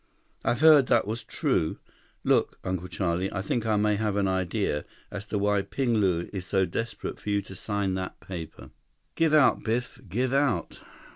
"I've heard that was true—Look, Uncle Charlie, I think I may have an idea as to why Ping Lu is so desperate for you to sign that paper." "Give out, Biff. Give out."